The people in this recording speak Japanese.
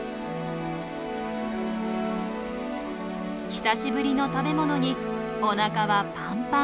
久しぶりの食べ物におなかはパンパン。